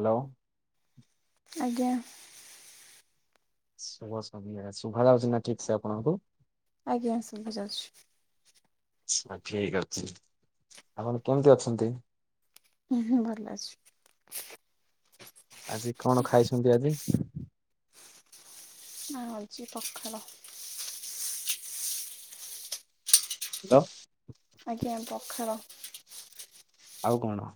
Hello. ଆଜ୍ଞା। ଶୁଭ ସନ୍ଧ୍ୟା ଶୁଭା ଯାଉଛି ନା ଠିକ୍ ସେ ଆପଣଙ୍କୁ? ଆଜ୍ଞା ଶୁଭାଯାଉଛି। ହ ଠିକ ଅଛି ଆପଣ କେମିତି ଅଛନ୍ତି? ହୁଁ ଭଲ ଅଛି। ଆଜି କଣ ଖାଇଛନ୍ତି ଆଜି? ହଁ ହଉଛି ପଖାଳ। ହାଲୋ। ଆଜ୍ଞା ପଖାଳ। ଆଉ କଣ?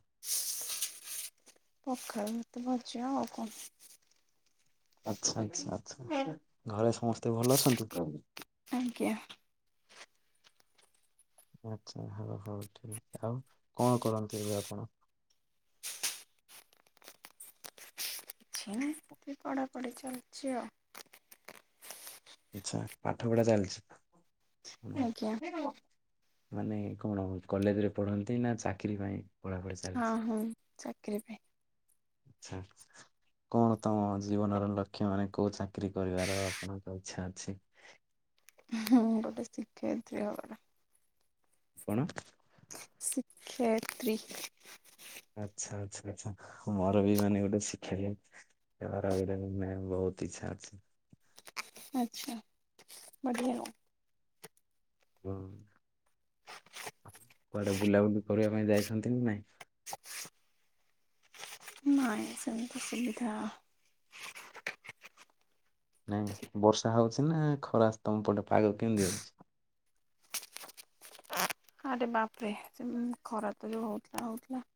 ପଖାଳ ଭାତ ଆଉ ଭଜା। ଆଛା ଆଚ୍ଛା ଆଛା ଘରେ ସମସ୍ତେ ଭଲ ଅଛନ୍ତି। ଆଜ୍ଞା। ଆଚ୍ଛା ହଉ ହଉ ଠିକ ଆଉ କଣ କରନ୍ତି ଏବେ ଆପଣ। [inaudible] ଏ ପଢାପଢି ଚାଲିଛି ଆଉ ଆଛା ପାଠ ପଢା ଆଉ ଆଜ୍ଞା ଚାଲଛି। ମାନେ କଣ କଲେଜରେ ପଢନ୍ତି ନା ଚାକିରି ପାଇଁ। ପଢ଼ାପଢ଼ି ହଁ ଚାଲିଛି ହଁ ଚାକିରି ପାଇଁ ଆଛା। କଣ ତମ ଜୀବନର ଲକ୍ଷ ମାନେ କୋଉ ଚାକିରି କରିବାର ଆପଣଙ୍କ ଇଛା ଅଛି? ହଁ ଗୋଟେ ସିଖେଇଦିଅ ଗୋଟେ। କଣ? ଶୀ କ୍ଷେ ତ୍ରି। ଆଚ୍ଛା ଆଚ୍ଛା ଆଚ୍ଛା ଆଚ୍ଛା ମୋର ବି ମାନେ ଗୋଟେ ଶିକ୍ଷା ଏାରଭେ ବହୁତ ଇଚ୍ଛା ଅଛି [unintelligible] ଆଚ୍ଛା ବଢିଆ ଆଉ ହଁ କୁଆଡେ ବୁଲାବୁଲି କରିବା ପାଇଁ ଯାଇଛନ୍ତି ନା ନାଇଁ? ନାଇଁ ସେମିତି ସୁବିଧା ନାଇଁ ବର୍ଷା ହଉଛି ନା ଖରା ତମ ପଟେ ପାଗ କେମିତି ଅଛି? ଆରେ ବାପରେ ଖରା ତ ଯୋଉ ହଉଥିଲା ହଉଥିଲା।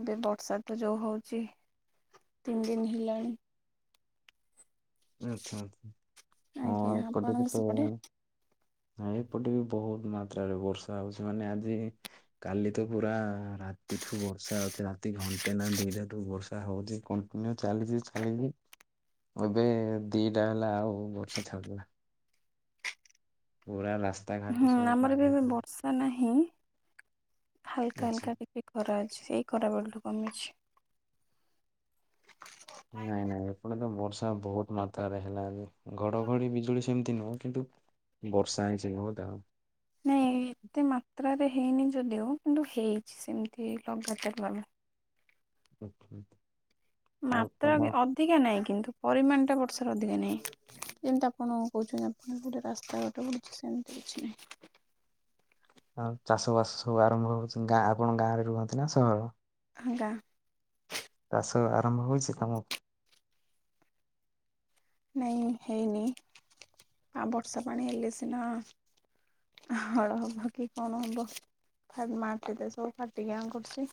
ଏବେ ବର୍ଷା ତ ଯୋଉ ହଉଛି ତିନି ଦିନ ହେଲାଣି ଆଚ୍ଛା ହଁ ଆଜ୍ଞା ଏପଟେ ଆପଣଙ୍କ ସେପଟେ କେତେବେଳେ ଏପଟେ ବି ବହୁତ ମାତ୍ରାରେ ବର୍ଷା ହଉଛି ମାନେ ଆଜି କାଲି ତ ପୁରା ରାତିଠୁ ବର୍ଷା ହଉଛି ରାତି ଘଣ୍ଟେ ନା ଦିଇଟାଠୁ ବର୍ଷା ହଉଛି କ ଚାଲିଛି ଚାଲିଛି ଏବେ ଦିଟା ହେଲା ଆଉ ବର୍ଷ ଛାଡିଲା। ପୁରା ରାସ୍ତା ହୁଁ ଆମର ବି ଏବେ ବର୍ଷା ନାହିଁ ହାଲକା ହେଇଯାଇଛି। ହାଲକା ଟିକେ। ଖରା ଅଛି ସେଇ ଖରାବେଳଠୁ କମିଛି ନାଇଁ ନାଇଁ ଏପଟେ ତ ବର୍ଷା ବହୁତ ମାତ୍ରାରେ ହେଲା ଘଡଘଡି ବିଜୁଳି ସେମିତି ନୁହଁ କିନ୍ତୁ ବର୍ଷା ହେଇଛି ନାଇଁ ଏତେ ମାତ୍ରାରେ ହେଇନି ଯଦିଓ କିନ୍ତୁ ହେଇଛି ସେମିତି ଲଗାତାର ଭାବେ। ଆଚ୍ଛା ଅଛା। ମାତ୍ରା ଅଧିକା ନାହିଁ କିନ୍ତୁ ପରିମାଣ ଟା ବର୍ଷାରେ ଅଧିକା ନାହିଁ। ଯେମିତି ଆପଣ କହୁଚନ୍ତି ଆପଣ ଗୋଟେ ରାସ୍ତାଘଟେ ବଡୁଛି ସେମିତି କିଛି ନାହିଁ। ଆଉ ଚାଷ ବାସ ସବୁ ଆରମ୍ଭ ହଉ ଗାଁ ଆପଣ ଗାଁ ରେ ରୁହନ୍ତି ନା ସହର ହଁ ଗାଁ। ଚାଷ ଆରମ୍ଭ ହଉଛି ତମ ନାଇଁ ହେଇନି ଆ ବର୍ଷା ପାଣି ହେଲେ ସିନା ହଳ ହଭକି କଣ ହବ ମାଟିରେ ସବୁ ଫାଟିକି ଆଁ କରୁଛି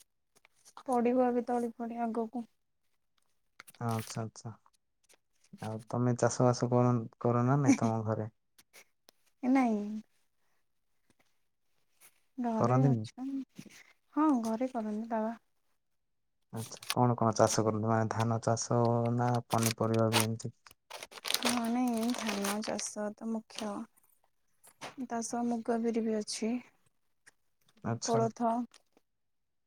ପଡିବ ଏବେ ତଳି ଫଡି ଆଗକୁ ହଁ ଆଚ୍ଛା ଆଚ୍ଛା ଆଉ ତମେ ଚାଷ ବାସ କର କରନା ନାଇଁ ତମ ଘରେ? ନାଇଁ ଘରେ କରନ୍ତିନି? ଅଛି ପା ହଁ ଘରେ କରନ୍ତି ବାବା ଆଚ୍ଛା କଣ କଣ ଚାଷ କରନ୍ତି ମାନେ ଧାନ ଚାଷ ନା ପନିପରିବା ବି ଏମିତି ହଁ ନାଇଁ ଧାନ ଚାଷ ତ ମୁଖ୍ୟ ତା ସହ ମୁଗ, ବିରି ବି ଅଛି ଆଚ୍ଛା କୋଳଥ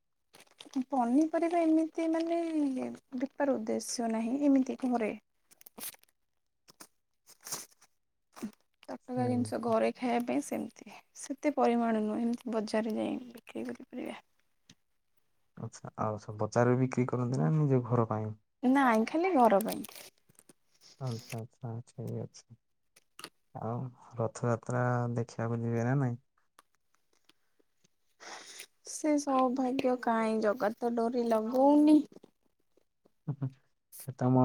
[inaudible] ପନିପରିବା ଏମିତି ମାନେ ବେପାର ଉଦ୍ଦେଶ୍ୟ ନାହିଁ ଏମିତି ଘରେ। ତାଟକା ହୁଁ। ଜିନିଷ ଘରେ ଖାଇବା ପାଇଁ ସେମିତି ସେତେ ପରିମାଣ ନୁହେଁ ଏମିତି ବଜାରରେ ଯାଇ ବିକ୍ରି କରିପାରିବା। ଆଚ୍ଛା ଆଉ ସବୁ ବଜାରରେ ବିକ୍ରି କରନ୍ତି ନା ନିଜ ଘର ପାଇଁ। ନାଇଁ ଖାଲି ଘର ପାଇଁ। ଆଚ୍ଛା ଆଚ୍ଛା ଠିକ ଅଛି। ଆଉ ରଥଯାତ୍ରା ଦେଖିବାକୁ ଯିବେ ନା ନାଇଁ? ସେ ସୌଭାଗ୍ୟ କାହିଁ ଜଗା ତ ଡୋରି ଲଗଉନି। ତମ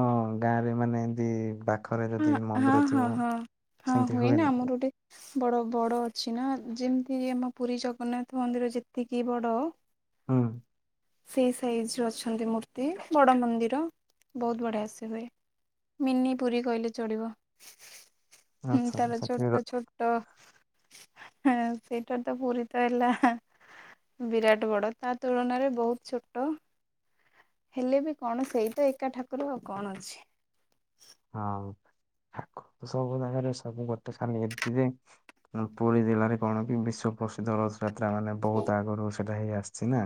ଗାଁ ରେ ମାନେ ଏମିତି ବା ହଁ ହଁ ହଁ ହଁ ହଁ ସେମିତି ହୁଏ ନା ହୁଏନି ଆମର ଗୋଟେ ବଡ଼ ବଡ଼ ଅଛି ନା ଯେମିତି ଆମ ପୁରୀ ଜଗନ୍ନାଥ ମନ୍ଦିର ଯେତିକି ବଡ଼ ହଁ। ସେଇ ସାଇଜର ଅଛନ୍ତି ମୂର୍ତ୍ତି ବଡ ମନ୍ଦିର ବହୁତ ବଢିଆସେ ହୁଏ। ମିନି ପୁରୀ କହିଲେ ଚଳିବ ଆଚ୍ଛା ଆଚ୍ଛା, ତାର ସେଠି ର ଛୋଟ ଛୋଟ ଟ ହଁ ସେଇଟା ତ ପୁରୀ ତ ହେଲା ବିରାଟ ବଡ ତା ତୁଳନାରେ ବହୁତ ଛୋଟ। ହେଲେ ବି କଣ ସେଇ ତ ଏକା ଠାକୁର ଆଉ କଣ ଅଛି। ହଁ ସବୁ ଠାକୁର ସବୁ ଜାଗାରେ ସବୁ ଗୋଟେ [unintelligible] ଏତିକି ଯେ କଣ ପୁରୀ ଜିଲ୍ଲାରେ କଣ କି ବିଶ୍ୱ ପ୍ରସିଦ୍ଧ ର ଥ ଯାତ୍ରା ମାନେ ବହୁତ ଆଗରୁ ସେଟା ହେଇ ଆସିଚି ନା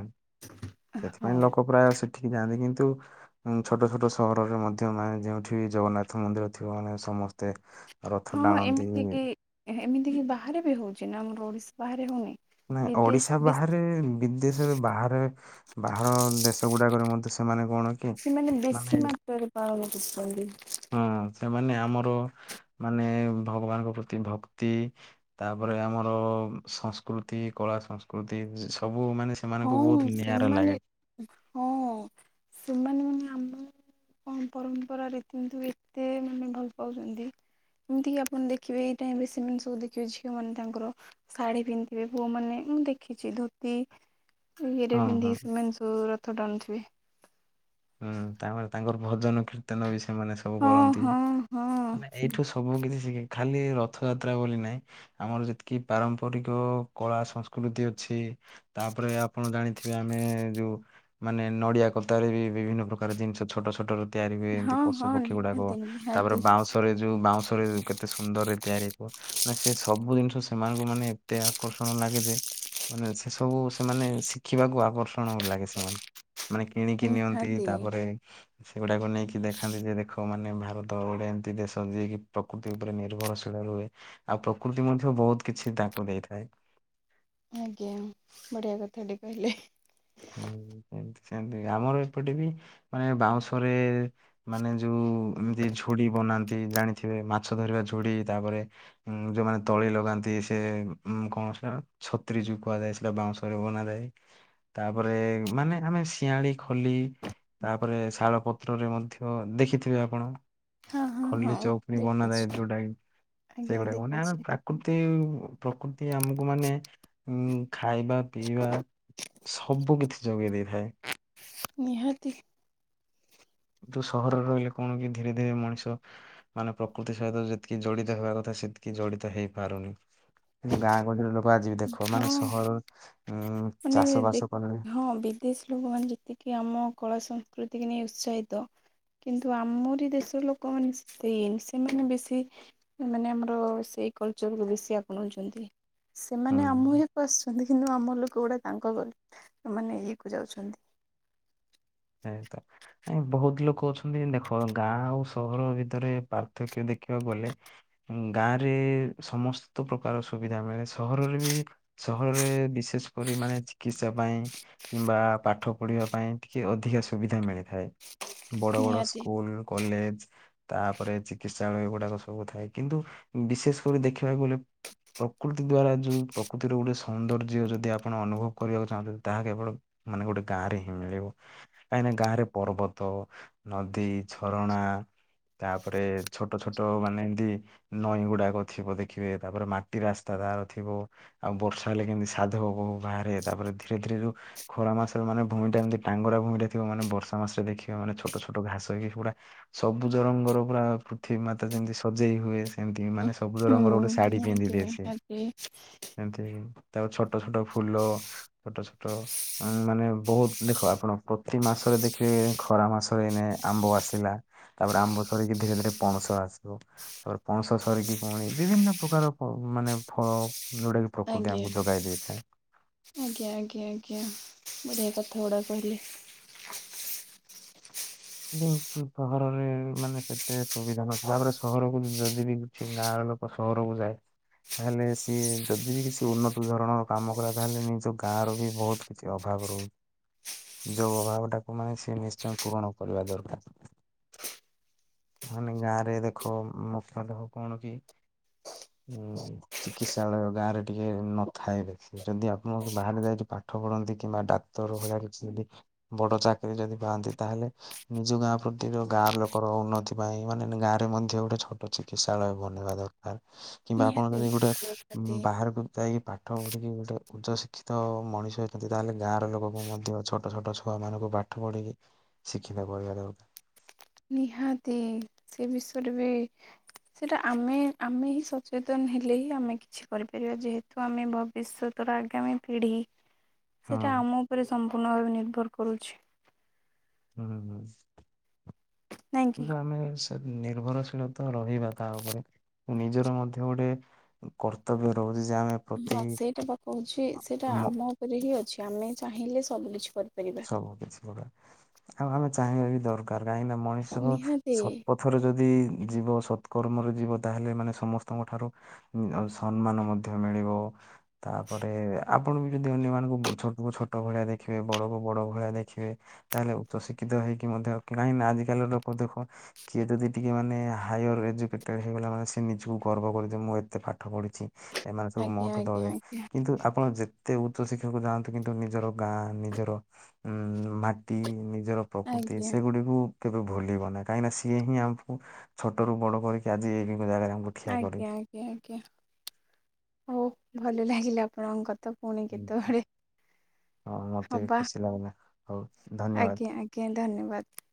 ହଁ। ସେଥିପାଇଁ ଲୋକ ପ୍ରାୟ ସେ ଠିକି ଯାଆନ୍ତି କିନ୍ତୁ ଉଁ ଛୋଟ ଛୋଟ ସହରରେ ମଧ୍ୟ ମାନେ ଯେଉଁଠି ଜଗନ୍ନାଥ ମନ୍ଦିର ଥିବ ମାନେ ସମସ୍ତେ ରଥ ହଁ ଟାଣନ୍ତି। ଏମିତି କି ଏମିତି କି ବାହାରେ ବି ହଉଚି ନା ଆମର ଓଡିଶା ବାହାରେ ହଉନି। ନାଇ ଓଡିଶା ବିଦେଶ ବାହାରେ ବିଦେଶରେ ବାହାରେ ବାହାର ଦେଶ ଗୁଡାକରେ ମଧ୍ୟ ସେମାନେ କଣ କି ମାନେ ବେଶୀ ମାତ୍ରାରେ ପାଳନ କରୁଚନ୍ତି। ହଁ ସେମାନେ ଆମର ମାନେ ଭଗବାନଙ୍କ ପ୍ରତି ଭକ୍ତି ତାପରେ ଆମର ସଂସ୍ ସ୍କୃତି କଳା ସଂସ୍କୃତି ଯେ ସବୁ ମାନେ ସେ ହଁ ସେମାନେ ହଁ ସେମାନେ ମାନେ ଆମର କଣ ପରମ୍ପରା ରୀତିନୀତି ଏତେ ମାନେ ଭଲ ପାଉଚନ୍ତି ଏମିତି କିି ଆପଣ ଦେଖିବେ ଏଇ ଟାଇମ୍ ରେ ସେମାନେ ସବୁ ଦେଖିବେ ଝିଅ ମାନେ ତାଙ୍କର ଶାଢୀ ପିନ୍ଧିବେ ପୁଅ ମାନେ ମୁଁ ଦେଖିଚି ଧୋତି ଉଁ ଇଏରେ ହଁ ହଁ ପିନ୍ଧିକି ସେମାନେ ସବୁ ରଥ ଟାଣୁଥିବେ। ହୁଁ ତାପରେ ତାଙ୍କର ଭଜନ କୀର୍ତ୍ତନ ବି ସେମାନେ ସ ହଁ ହଁ ହଁ। ସବୁ କିଛି ଶିଖେ ଖାଲି ରଥଯାତ୍ରା ବୋଲି ନାହିଁ ଆମର ଯେତିକି ପାରମ୍ପରିକ କଳା ସଂସ୍କୃତି ଅଛି। ତାପରେ ଆପଣ ଜାଣିଥିବେ ଆମେ ଯୋଉ ମାନେ ନଡିଆ କତାରେ ବି ବିଭିନ୍ନ ପ୍ରକାର ଜିନିଷ ଛୋଟ ଛୋଟ ର ତିଆରି ହୁଏ ଏମିତି ହଁ ପଶୁ ହଁ ପକ୍ଷୀ ଗୁଡାକ ନିହାତି ତାପରେ ନିହାତି ବାଉଁଶରେ ଯୋଉ ବାଉଁଶରେ କେତେ ସୁନ୍ଦରରେ ତିଆରି ନା ସେ ସବୁ ଜିନିଷ ସେମାନଙ୍କୁ ମାନେ ଏତେ ଆକର୍ଷଣ ଲାଗେ ଯେ ମାନେ ସେ ସବୁ ସେମାନେ ଶିଖିବାକୁ ଆକର୍ଷଣ ଲାଗେ ସେମାନେଙ୍କୁ। ମାନେ କିଣିକି ନିଅନ୍ତି ନିହାତି ତାପରେ ସେଗୁଡାକୁ ନେଇକି ଦେଖାନ୍ତି ଯେ ଦେଖ ଲୋକମାନେ ଭାରତ ଗୋଟେ ଏମିତି ଦେଶ ଯିଏକି ପ୍ରକୃତି ଉପରେ ନିର୍ଭରଶୀଳ ରୁହେ। ଆଉ ପ୍ରକୃତି ମଧ୍ୟ ବହୁତ କିଛି ତାଙ୍କୁ ଦେଇଥାଏ। ଆଜ୍ଞା ବଢ଼ିଆ କଥା ଟେ କହିଲେ। ହୁଁ ସେମିତି ସେମିତି ଆମର ଏପଟେ ବି ମାନେ ବାଉଁଶରେ ମାନେ ଯୋଉ ଏମିତି ଝୁଡି ବନାନ୍ତି ଜାଣିଥିବେ ମାଛ ଧରିବା ଝୁଡି ତାପରେ ଉ ଯୋଉମାନେ ତଳି ଲଗାନ୍ତି ସେ ଉ କଣସେଟା ଛତ୍ରୀ ଯୋଉ କୁହାଯାଏ ସେଟା ବାଉଁଶ ବନାଯାଏ ତାପରେ ମାନେ ଆମେ ଶିଆଁଳି ଖଲି ତାପରେ ଶାଳପତ୍ରରେ ମଧ୍ୟ ଦେଖିଥିବେ ଆପଣ। ହଁ ହଁ ଖଲି ହଁ ଚୌପନି ବନାଯାଏ ଦେଖିଛି ଯୋଉଟାକି ଆଜ୍ଞା ସେଗୁଡାକ ମାନେ ଆମେ ଦେଖିଛି ପ ପ୍ରକୃତି ପ୍ରକୃତି ଆମକୁ ମାନେ ଉ ଖାଇବା ପିଇବା ସବୁ କିଛି ଯୋଗେଇ ଦେଇଥାଏ। ନିହାତି।। ନ୍ତୁ ସହରରେ ରହିଲେ କଣ କି ଧୀରେ ଧୀରେ ମଣିଷ ମାନେ ପ୍ରକୃତି ସହିତ ଯେତିକି ଜଡିତ ହେବା କଥା ସେତିକି ଜଡିତ ହେଇପାରୁନି। କିନ୍ତୁ ଗାଁ ଗହଳିରେ ଲୋକ ଆଜି ବି ଦେଖ ମାନେ ହଁ ସହର ଉଁ ମାନେ ଚାଷ ବାସ କଲେ ଦେଖ ହଁ ବିଦେଶୀ ଲୋକମାନେ ଯେତିକି ଆମ କଳା ସଂସ୍କୃତି କି ନେଇ ଉତ୍ସାହିତ କିନ୍ତୁ ଆମରି ଦେଶର ଲୋକମାନେ ସେ ସେମାନେ ବେଶୀ ଏମାନେ ଆମର ସେଇ କଲଚରକୁ ବେଶି ଆପଣାଉଛନ୍ତି। ସେମାନେ ହୁଁ ଆମ ଇଏକୁ ଆସୁଛନ୍ତି କିନ୍ତୁ ଆମ ଲୋକ ଗୁଡା ତାଙ୍କ ଗଳି ସେମାନେ ଇଏକୁ ଯାଉଛନ୍ତି। ଏଇଆତ। ଏ ବହୁତ ଲୋକ ଅଛନ୍ତି ଦେଖ ଗାଁ ଆଉ ସହର ଭିତରେ ପାର୍ଥକ୍ୟ ଦେଖିବାକୁ ଗଲେ ଗାଁ ରେ ସମସ୍ତ ପ୍ରକାର ସୁବିଧା ମିଳେ ସହରରେ ବି ସହରରେ ବିଶେଷ କରି ମାନେ ଚିକିତ୍ସା ପାଇଁ କିମ୍ବା ପାଠ ପଢିବା ପାଇଁ କି ଅଧିକା ସୁବିଧା ମିଳିଥାଏ। ବଡ ବଡ ନିହାତି ସ୍କୁଲ କଲେଜ ତାପରେ ଚିକିତ୍ସାଳୟ ଗୁଡାକ ସବୁ ଥାଏ କିନ୍ତୁ ବିଶେଷ କରି ଦେଖିବାକୁ ଗଲେ ପ୍ରକୃତି ଦ୍ଵାରା ଯୋଉ ପ୍ରକୃତିର ଗୋଟେ ସୌନ୍ଦର୍ଯ୍ୟ ଯଦି ଆପଣ ଅନୁଭବ କରିବାକୁ ଚାହୁଁଛନ୍ତି ତାହା କେବଳ ମାନେ ଗୋଟେ ଗାଁରେ ହିଁ ମିଳିବ। କାହିଁକି ନା ଗାଁରେ ପର୍ବତ ନଦୀ ଝରଣା ତାପରେ ଛୋଟ ଛୋଟ ମାନେ ଏମତି ନଈ ଗୁଡାକ ଥିବ ଦେଖିବେ ତାପରେ ମାଟି ରାସ୍ତା ତାର ଥିବ। ଆଉ ବର୍ଷା ହେଲେ କେମିତି ସାଧବବୋହୁ ବାହାରେ ତାପରେ ଧୀରେ ଧୀରେ ର ଖରା ମାସରେ ମାନେ ଭୂମି ଟା ଏମତି ଟାଙ୍ଗରା ଭୂଇଁରେ ଥିବ ମାନେ ବର୍ଷା ମାସରେ ଦେଖିବ ମାନେ ଛୋଟ ଛୋଟ ଘାସ ହେଇକି ପୁରା ସବୁଜ ରଙ୍ଗର ପୁରା ପୃଥିବୀ ମାତା ଯେମିତି ସଜେଇ ହୁଏ ସେମତି ମାନେ ସବୁଜ ହୁଁ ରଙ୍ଗର ଗୋଟେ ଶାଢୀ ପିନ୍ଧି ନିହାତି ଦିଏ ସେ। ନିହାତି ଏମତି ତାଉପରେ ଛୋଟ ଛୋଟ ଫୁଲ ଛୋଟ ଛୋଟ ମାନେ ବହୁତ ଦେଖ ଆପଣ ପ୍ରତି ମାସରେ ଦେଖିବେ ଖରା ମାସରେ ଏନେ ଆମ୍ବ ଆସିଲା। ତାପରେ ଆମ୍ବ ସରିକି ଧୀରେ ଧୀରେ ପଣସ ଆସିବ। ତାପରେ ପଣସ ସରିକି ପୁଣି ବିଭିନ୍ନ ପ୍ରକାର ପ ମାନେ ଫଳ ଯୋଉଟାକି ପ୍ରକୃତି ଆଜ୍ଞା ଆମକୁ ଯୋଗାଇ ଦେଇଥାଏ ଆଜ୍ଞା ଆଜ୍ଞା ଆଜ୍ଞା ବଢ଼ିଆ କଥା ଗୁଡ଼ା କହିଲେ। ସହରରେ ମାନେ ସେତେ ସୁବିଧା ନଥିଲା ତାପରେ ସହରକୁ ଯଦି ବି କିଛି ଗାଁରେ ଲୋକ ସହରକୁ ଯାଏ। ତାହେଲେ ସିଏ ଯଦି ବି କିଛି ଉନ୍ନତ ଧରଣର କାମ କଲା ତାହେଲେ ନିଜ ଗାଁ ର ବି ବହୁତ କିଛି ଅଭାବ ରହୁଛି ଯୋଉ ଅଭାବ ଟାକୁ ମାନେ ସିଏ ନିଶ୍ଚୟ ପୂରଣ କରିବା ଦରକାର। ମାନେ ଗାଁ ରେ ଦେଖ ମୁଖ୍ୟ ଦେଖ କଣ କି ହୁଁ। ଚିକିତ୍ସାଳୟ ଗାଁରେ ଟିକେ ନଥାଏ ଦେଖ ଯଦି ଆପଣ ବାହାରେ ଯାଇକି ପାଠ ପଢନ୍ତି କିମ୍ବା ଡାକ ତର ଭଳିଆ କିଛି ଯଦି ବଡ ଚାକିରୀ ଯଦି ପାଆନ୍ତି ତାହେଲେ ନିଜ ଗାଁ ପ୍ରତି ଗାଁ ଲୋକର ଉନ୍ନତି ପାଇଁ ମାନେ ଗାଁରେ ମଧ୍ୟ ଗୋଟେ ଛୋଟ ଚିକିତ୍ସାଳୟ ବନେଇବା ଦରକାର। କିମ୍ବା ଆପଣ ନିହାତି ଯଦି ଗୋଟେ ନିହାତି ବାହାରକୁ ଯାହାକି ପାଠ ପଢ଼ିକି ଗୋଟେ ଉଚ୍ଚଶିକ୍ଷିତ ମଣିଷ ଅଛନ୍ତି ତା ହେଲେ ଗାଁର ଲୋକଙ୍କୁ ମଧ୍ୟ ଛୋଟ ଛୋଟ। ଛୁଆ ମାନଙ୍କୁ ପାଠ ପଢିକି ଶିକ୍ଷିତ କରିବା ଦରକାର। ନିହାତି ସେ ବିଷୟରେ ବି ସେଟା ଆମେ ଆମେ ହିଁ ସଚେତନ ହେଲେ ହିଁ ଆମେ କିଛି କରିପାରିବା ଯେତୁ। ସ ଆମେ ଭବିଷ୍ୟତର ଆଗାମୀ ପିଢ଼ି। [inaudible] ସେଇଟା ଆମ ଉପରେ ସମ୍ପୂର୍ଣ୍ଣ ଭାବେ ନିର୍ଭର କରୁଛି। ହୁଁ ହୁଁ ନାଇଁ କି? ଗ ଆମେ ନିର୍ଭରଶୀଳତା ରହିବା ତା ଉପରେ ନିଜର ମଧ୍ୟ ଗୋଟେ କର୍ତ୍ତବ୍ୟ ରହୁଛି ଯେ ଆମେ ହଁ ପ୍ରତି ସେଇଟା ବା କହୁଛି ସେଇଟା ମ ଆମ ଉପରେ ହିଁ ଅଛି ଆମେ ଚାହିଁଲେ ସବୁ କିଛି କରୁ ସବୁ କିଛି ଗଡା ଆଉ ଆମେ ଚାହିଁବା ବି ଦରକାର କାହିଁକି ମଣିଷ ନିହାତି ସତପଥ ପଥରେ ଯଦି ଯିବ ସତ୍କର୍ମରେ ଯିବ ତାହେଲେ ମାନେ ସମସ୍ତଙ୍କ ଠାରୁ ସମ୍ମାନ ମଧ୍ୟ ମିଳିବ। ତାପରେ ଆପଣ ବି ଯଦି ଅନ୍ୟ ମାନଙ୍କୁ ଛୋଟ କ ଛୋଟ ଭଳିଆ ଦେଖିବେ ବଡକୁ ବଡ ଭଳିଆ ଦେଖିବେ ତାହେଲେ ଉଚ୍ଚଶିକ୍ଷିତ ହେଇକି ମଧ୍ୟାହିଁ ଆଜିକାଲି ଲୋକ ଦେଖ କିଏ ଯଦି ଟିକେ ମାନେ ହର ଏଜୁକେଟେଡ ହେଇଗଲା ମାନେ ସେ ନିଜକୁ ଗର୍ବ କଲେ ଯେ ମୁଁ ଏତେ ପାଠ ପଢିଛି। ସେମାନେ ସବୁ ଆଜ୍ଞା ମଠୁ ଆଜ୍ଞା ଦଳେ ଆଜ୍ଞା କିନ୍ତୁ ଆପଣ ଯେ ଏତେ ଉଚ୍ଚ ଶିକ୍ଷଣକୁ ଯାଆନ୍ତୁ କିନ୍ତୁ ନିଜର ଗାଁ ନିଜର ଉଁ ମାଟି ନିଜର ପ୍ରକୃତି ଆଜ୍ଞା। ସେଗୁଡିକୁ କେବେ ଭୁଲିବ ନାଁହି କାହିଁକିନା ସିଏହିଁ ଆମକୁ ଛୋଟରୁ ବଡ଼ କରିକି ଆଜି ଏଜାଗାରେ ଆମକୁ ଠିଆ କରି ଆଜ୍ଞା ଆଜ୍ଞା ଆଜ୍ଞା ହଉ ଭଲ ଲାଗିଲା ଆପଣଙ୍କତ ପୁଣି ହୁଁ। କେତେବେଳେ ହଁ ମତେ ବି ହବା ଖୁସି ଲାଗିଲା ହଉ ଧନ୍ୟବାଦ। ଆଜ୍ଞା ଆଜ୍ଞା ଆଜ୍ଞା ଧନ୍ୟବାଦ।